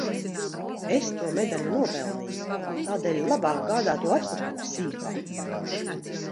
Es to medaļu nopelnīju, tādēļ labāk gādā to atpakaļ, sīkā!